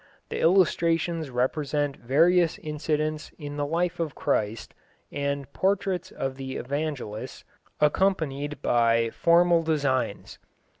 The illustrations represent various incidents in the life of Christ, and portraits of the Evangelists, accompanied by formal designs.